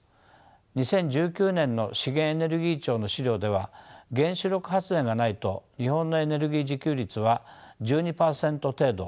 ２０１９年の資源エネルギー庁の資料では原子力発電がないと日本のエネルギー自給率は１２％程度。